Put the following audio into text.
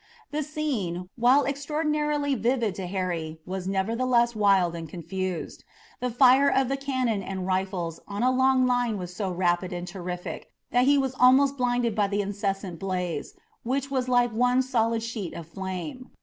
The scene, while extraordinarily vivid to Harry, was nevertheless wild and confused. The fire of the cannon and rifles on a long line was so rapid and terrific that he was almost blinded by the incessant blaze, which was like one solid sheet of flame.